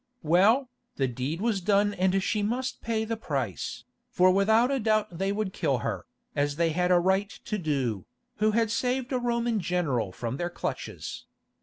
Well, the deed was done and she must pay the price, for without a doubt they would kill her, as they had a right to do, who had saved a Roman general from their clutches.